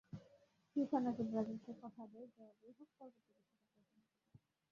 FIFA নাকি ব্রাজিলকে কথা দেয় যেভাবেই হোক পরবর্তী বিশ্বকাপ জেতানো হবে তাদের।